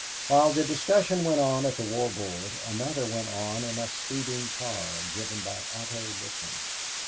While the discussion went on at the War Board, another went on in a speeding car, driven by Otto Littman.